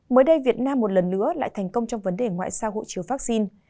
mới đây việt nam một lần nữa lại thành công trong vấn đề ngoại sao hộ chiếu vaccine